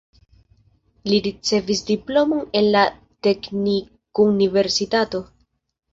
Li ricevis diplomon en la teknikuniversitato.